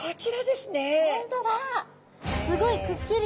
すごいくっきりと。